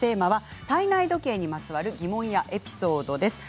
体内時計にまつわる疑問やエピソードがテーマです。